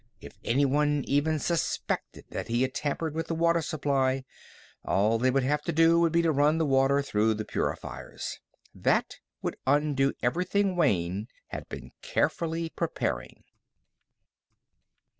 If anyone even suspected that he had tampered with the water supply, all they would have to do would be to run the water through the purifiers. That would undo everything Wayne had been carefully preparing.